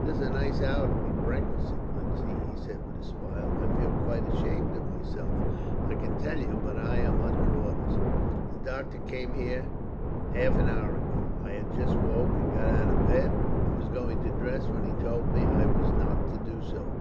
"This is a nice hour to be breakfasting, Lindsay," he said with a smile. "I feel quite ashamed of myself, I can tell you; but I am under orders. The doctor came here half an hour ago. I had just woke and got out of bed, and was going to dress, when he told me that I was not to do so.